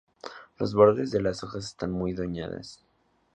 Los bordes de las hojas están muy dañadas.